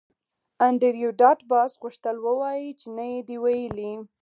انډریو ډاټ باس غوښتل ووایی چې نه یې دی ویلي